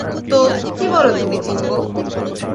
তো, কি বলো তুমি, জিম্বো?